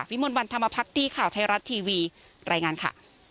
วิมวลวันธรรมภักดิ์ข่าวไทยรัตน์ทีวีรายงานค่ะ